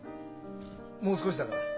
もう少しだから。